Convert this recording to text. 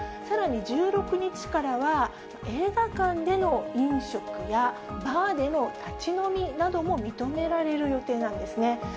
さらに、１６日からは映画館での飲食や、バーでの立ち飲みなども認められる予定なんですね。